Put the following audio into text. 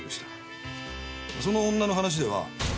その女の話では。